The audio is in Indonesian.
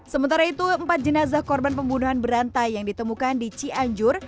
sementara itu empat jenazah korban pembunuhan berantai yang ditemukan di cianjur